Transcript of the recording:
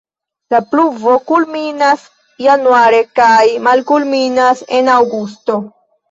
La pluvo kulminas januare kaj malkulminas en aŭgusto.